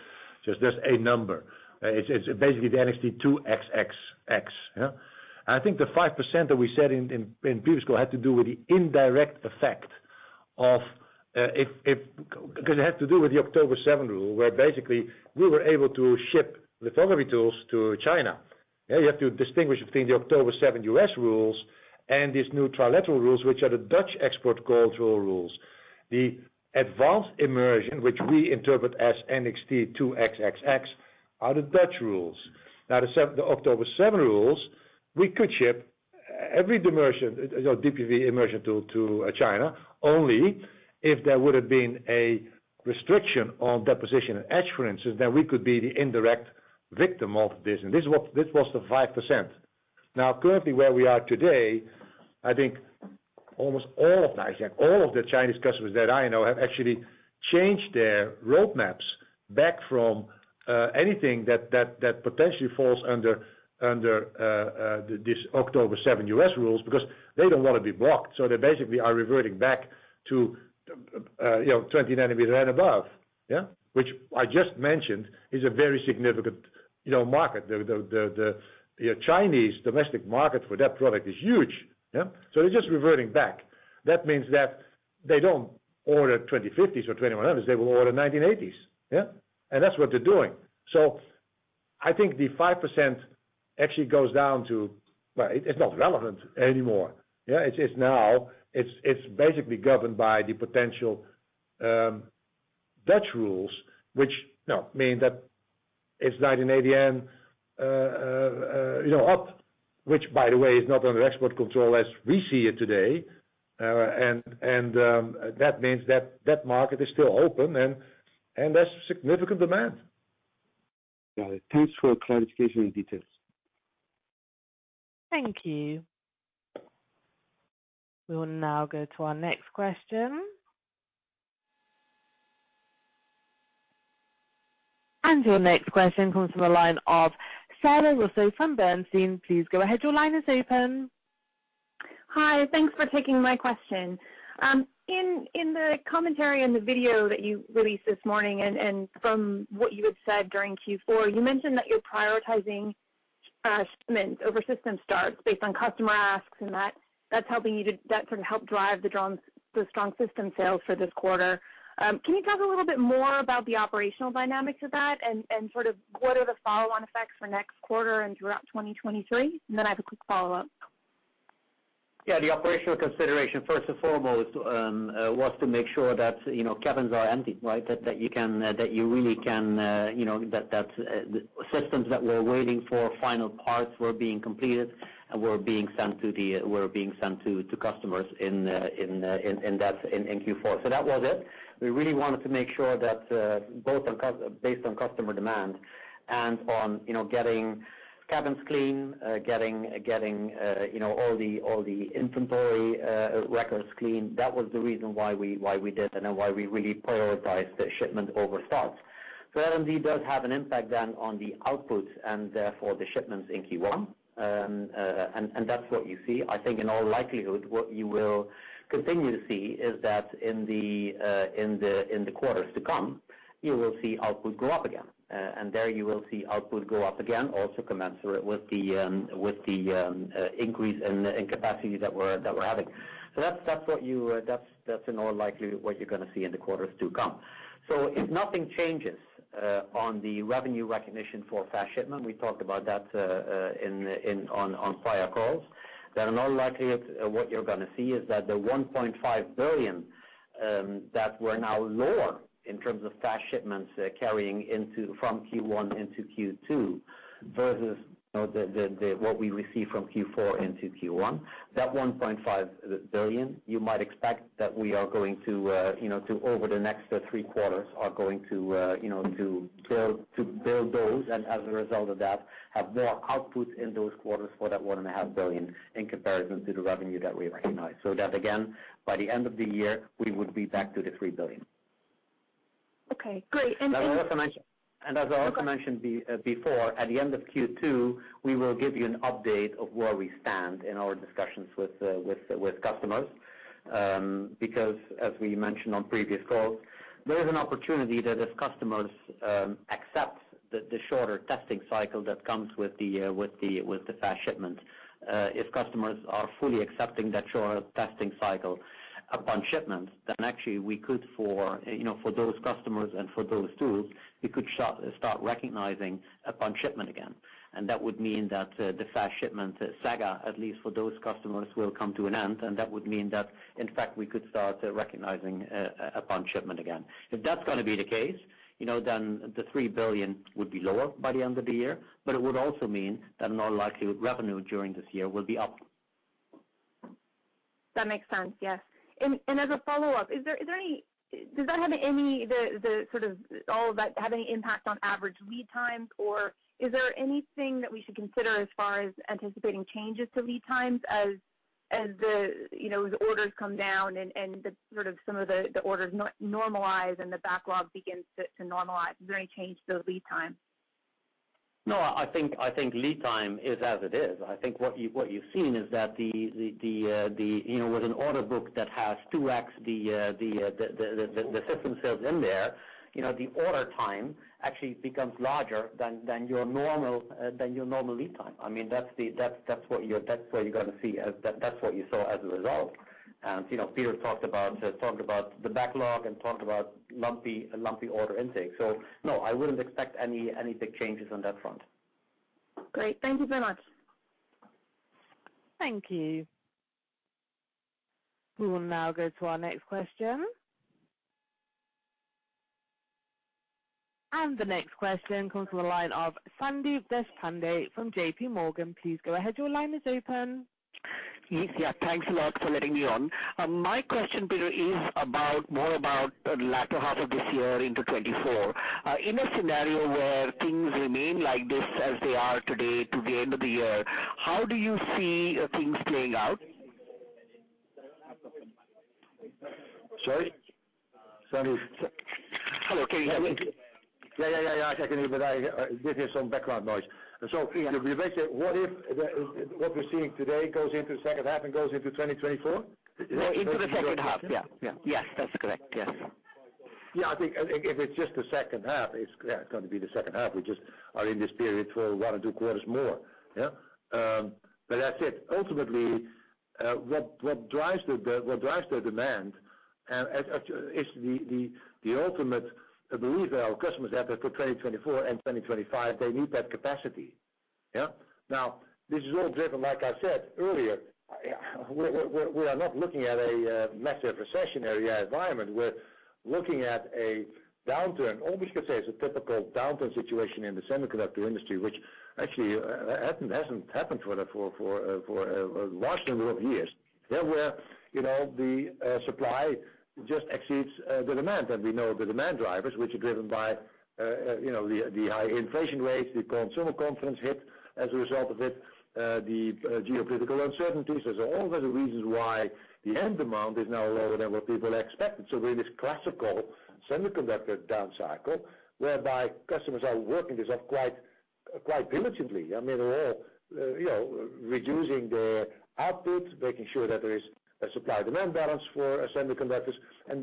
a number. It's basically the NXT:2XXX, yeah. I think the 5% that we said in previous call had to do with the indirect effect of, because it had to do with the October 7 rule, where basically we were able to ship lithography tools to China. Yeah, you have to distinguish between the October 7 U.S. rules and these new trilateral rules, which are the Dutch export control rules. The advanced immersion, which we interpret as NXT:2XXX, are the Dutch rules. Now, the October 7 rules, we could ship every immersion, you know, DUV immersion tool to China, only if there would have been a restriction on deposition etches, for instance, we could be the indirect victim of this. This was the 5%. Now, currently where we are today, I think almost all of the Chinese customers that I know have actually changed their roadmaps back from anything that potentially falls under October 7 U.S. rules because they don't wanna be blocked. They basically are reverting back to, you know, 20 nm and above, yeah. Which I just mentioned is a very significant, you know, market. The Chinese domestic market for that product is huge. Yeah. They're just reverting back. That means that they don't order 2050s or 2100s. They will order 1990s. Yeah. That's what they're doing. I think the 5% actually goes down to... Well, it's not relevant anymore. Yeah. It's now, it's basically governed by the potential Dutch rules, which, you know, mean that it's 19 ADM, you know, up, which, by the way, is not under export control as we see it today. That means that that market is still open and there's significant demand. Got it. Thanks for clarification and details. Thank you. We will now go to our next question. Your next question comes from the line of Sara Russo from Bernstein. Please go ahead. Your line is open. Hi. Thanks for taking my question. In the commentary and the video that you released this morning and from what you had said during Q4, you mentioned that you're prioritizing shipments over system starts based on customer asks, and that sort of helped drive the strong system sales for this quarter. Can you talk a little bit more about the operational dynamics of that and sort of what are the follow-on effects for next quarter and throughout 2023? I have a quick follow-up. Yeah. The operational consideration, first and foremost, was to make sure that, you know, cabins are empty, right? That you can, you really can, you know, that systems that we're waiting for final parts were being completed and were being sent to customers in Q4. That was it. We really wanted to make sure that both based on customer demand and on, you know, getting cabins clean, getting, you know, all the, all the inventory records clean. That was the reason why we did and then why we really prioritized the shipment over starts. R&D does have an impact then on the outputs and therefore the shipments in Q1. And that's what you see. I think in all likelihood, what you will continue to see is that in the quarters to come, you will see output go up again. There you will see output go up again, also commensurate with the increase in capacity that we're having. That's what you, that's in all likelihood what you're gonna see in the quarters to come. If nothing changes on the revenue recognition for fast shipment, we talked about that on prior calls, then in all likelihood, what you're gonna see is that the 1.5 billion that were now lower in terms of fast shipments, carrying into from Q1 into Q2 versus, you know, the what we receive from Q4 into Q1. That 1.5 billion, you might expect that we are going to, you know, to over the next three quarters are going to, you know, to build those, and as a result of that, have more outputs in those quarters for that 1.5 billion in comparison to the revenue that we recognize. That again, by the end of the year, we would be back to the 3 billion. Okay, great. As I also mentioned. Okay. As I also mentioned before, at the end of Q2, we will give you an update of where we stand in our discussions with customers. Because as we mentioned on previous calls, there is an opportunity that if customers accept the shorter testing cycle that comes with the fast shipment. If customers are fully accepting that shorter testing cycle upon shipment, then actually we could for, you know, for those customers and for those tools, we could start recognizing upon shipment again. That would mean that the fast shipment saga, at least for those customers, will come to an end. That would mean that, in fact, we could start recognizing upon shipment again. If that's gonna be the case, you know, then the 3 billion would be lower by the end of the year, but it would also mean that in all likelihood, revenue during this year will be up. That makes sense. Yes. As a follow-up, is there any, does that have any, the sort of all that have any impact on average lead times? Is there anything that we should consider as far as anticipating changes to lead times as the, you know, the orders come down and the sort of some of the orders normalize and the backlog begins to normalize, does that change the lead time? I think lead time is as it is. I think what you've seen is that the, you know, with an order book that has 2x the system serves in there, you know, the order time actually becomes larger than your normal lead time. I mean, that's what you're, that's where you're gonna see, that's what you saw as a result. You know, Peter talked about the backlog and talked about lumpy order intake. No, I wouldn't expect any big changes on that front. Great. Thank you very much. Thank you. We will now go to our next question. The next question comes from the line of Sandeep Deshpande from JPMorgan. Please go ahead. Your line is open. Yes. Yeah, thanks a lot for letting me on. My question, Peter, is about more about the latter half of this year into 2024. In a scenario where things remain like this as they are today to the end of the year, how do you see things playing out? Sorry. Sandeep. Hello. Can you hear me? Yeah, yeah, I can hear, but I hear some background noise. Yeah. What if what we're seeing today goes into second half and goes into 2024? Into the second half. Yeah. Yeah. Yes, that's correct. Yes. Yeah. I think if it's just the second half, it's gonna be the second half. We just are in this period for one or two quarters more. Yeah. That said, ultimately, what drives the demand as is the ultimate belief our customers have that for 2024 and 2025, they need that capacity. Yeah. This is all driven, like I said earlier, we're not looking at a massive recessionary environment. We're looking at a downturn. All we could say is a typical downturn situation in the semiconductor industry, which actually hasn't happened for a large number of years. Where we're, you know, the supply just exceeds the demand. We know the demand drivers, which are driven by, you know, the high inflation rates, the consumer confidence hit as a result of it, the geopolitical uncertainties. There's all sorts of reasons why the end demand is now lower than what people expected. We're in this classical semiconductor down cycle, whereby customers are working this off quite diligently. I mean, they're all, you know, reducing their output, making sure that there is a supply demand balance for semiconductors.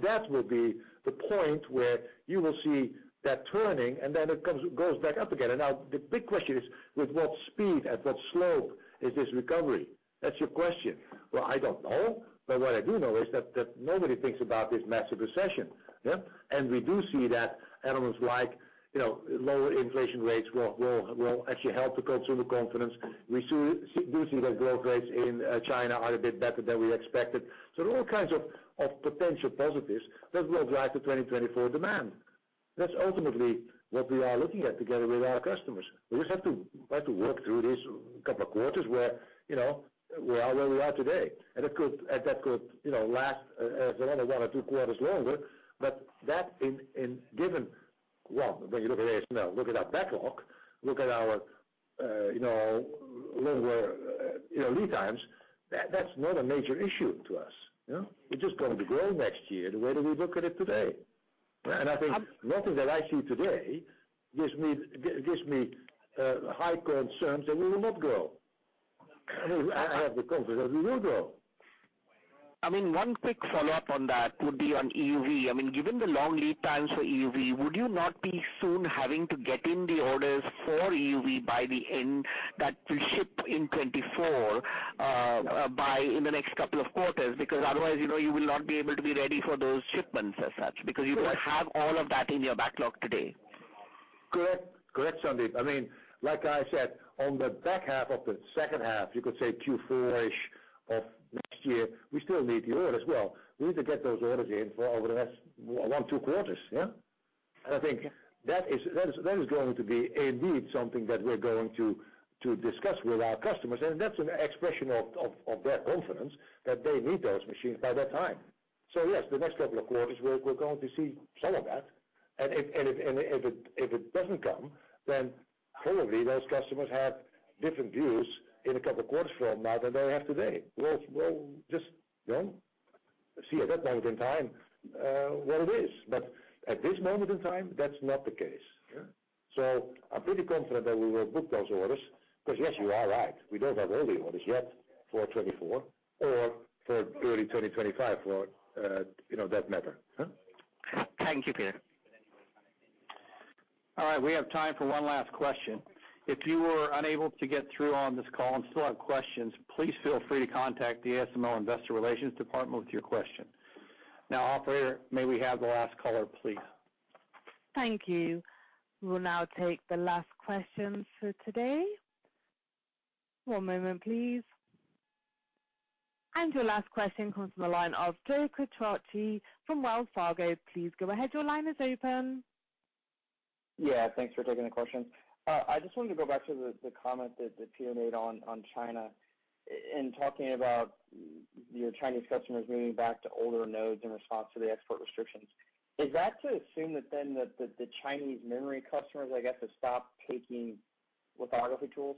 That will be the point where you will see that turning and then it goes back up again. Now the big question is, with what speed, at what slope is this recovery? That's your question. Well, I don't know. What I do know is that nobody thinks about this massive recession. Yeah. We do see that elements like, you know, lower inflation rates will actually help the consumer confidence. We do see that growth rates in China are a bit better than we expected. So there are all kinds of potential positives that will drive the 2024 demand. That's ultimately what we are looking at together with our customers. We just have to work through this couple of quarters where, you know, we are where we are today. That could, you know, last as another one or two quarters longer. That in given, when you look at ASML, look at our backlog, look at our, you know, longer, you know, lead times, that's not a major issue to us. You know. It's just going to grow next year the way that we look at it today. I think nothing that I see today gives me high concerns that we will not grow. I have the confidence that we will grow. I mean, one quick follow-up on that would be on EUV. I mean, given the long lead times for EUV, would you not be soon having to get in the orders for EUV by the end that will ship in 2024, by in the next couple of quarters? Because otherwise, you know, you will not be able to be ready for those shipments as such, because you don't have all of that in your backlog today. Correct. Correct, Sandeep. I mean, like I said, on the back half of the second half, you could say Q4-ish of next year, we still need the orders. Well, we need to get those orders in for over the next one, two quarters. Yeah. I think that is going to be indeed something that we're going to discuss with our customers, and that's an expression of their confidence that they need those machines by that time. Yes, the next couple of quarters, we're going to see some of that. If it doesn't come, then probably those customers have different views in a couple of quarters from now than they have today. We'll just, you know, see at that moment in time what it is. At this moment in time, that's not the case. Yeah. I'm pretty confident that we will book those orders because yes, you are right. We don't have all the orders yet for 2024 or for early 2025 for, you know, that matter. Huh? Thank you, Peter. All right. We have time for one last question. If you were unable to get through on this call and still have questions, please feel free to contact the ASML Investor Relations department with your question. Now, operator, may we have the last caller, please? Thank you. We will now take the last question for today. One moment, please. Your last question comes from the line of Joe Quattrocchi from Wells Fargo. Please go ahead. Your line is open. Yeah, thanks for taking the question. I just wanted to go back to the comment that Peter made on China in talking about your Chinese customers moving back to older nodes in response to the export restrictions. Is that to assume that then the Chinese memory customers, I guess, have stopped taking lithography tools?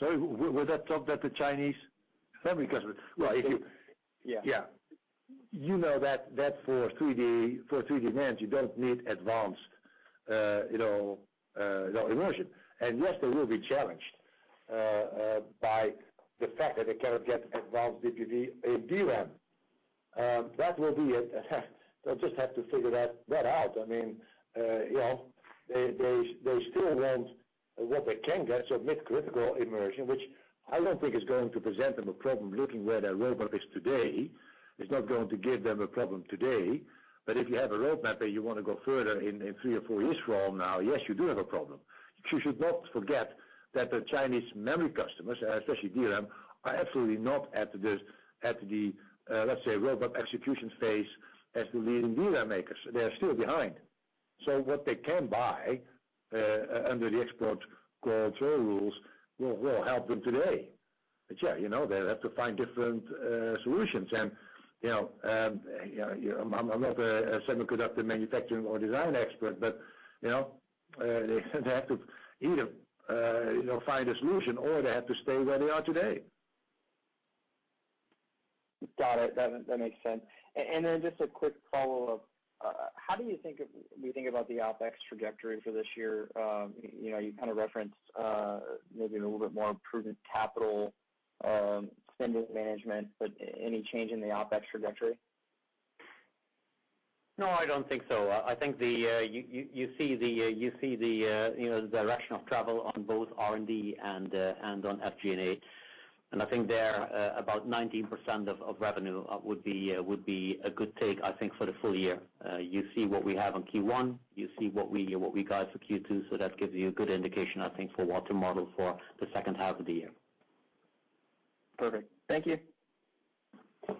Sorry, with that top the Chinese memory customers. Well, if you- Yeah. Yeah. You know that for 3D NAND, you don't need advanced, you know, immersion. Yes, they will be challenged by the fact that they cannot get advanced DUV DRAM. That will be it. They'll just have to figure that out. I mean, you know, they still want what they can get, so mid critical immersion, which I don't think is going to present them a problem looking where their roadmap is today. It's not going to give them a problem today. If you have a roadmap that you wanna go further in three or four years from now, yes, you do have a problem. You should not forget that the Chinese memory customers, especially DRAM, are absolutely not at this, at the, let's say, roadmap execution phase as the leading DRAM makers. They are still behind. What they can buy under the export control rules will help them today. Yeah, you know, they'll have to find different solutions. You know, you know, I'm not a semiconductor manufacturing or design expert, but, you know, they have to either, you know, find a solution or they have to stay where they are today. Got it. That makes sense. Just a quick follow-up. How do you think we think about the OpEx trajectory for this year? You know, you kind of referenced maybe a little bit more prudent capital spending management, but any change in the OpEx trajectory? No, I don't think so. I think the, you see the, you see the, you know, the direction of travel on both R&D and on SG&A. I think there, about 19% of revenue, would be a good take, I think, for the full year. You see what we have on Q1, you see what we guide for Q2, so that gives you a good indication, I think, for what to model for the second half of the year. Perfect. Thank you. All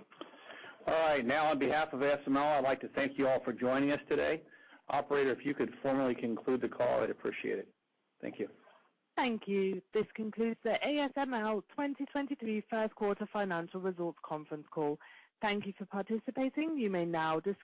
right. On behalf of ASML, I'd like to thank you all for joining us today. Operator, if you could formally conclude the call, I'd appreciate it. Thank you. Thank you. This concludes the ASML 2023 first quarter financial results conference call. Thank you for participating. You may now disconnect.